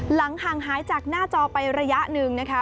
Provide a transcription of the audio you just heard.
ห่างหายจากหน้าจอไประยะหนึ่งนะคะ